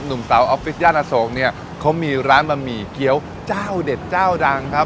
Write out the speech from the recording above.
หนุ่มสาวออฟฟิศย่านอโศกเนี่ยเขามีร้านบะหมี่เกี้ยวเจ้าเด็ดเจ้าดังครับ